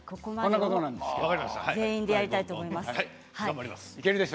全員でやりたいと思います。